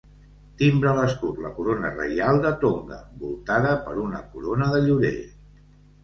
Timbra l'escut la Corona Reial de Tonga voltada per una corona de llorer.